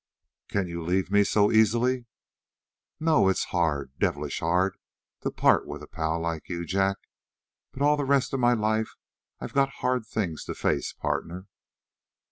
"Can you leave me so easily?" "No, it's hard, devilish hard to part with a pal like you, Jack; but all the rest of my life I've got hard things to face, partner."